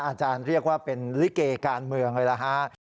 อาจารย์เรียกว่าเป็นลิเกการเมืองเลยล่ะฮะ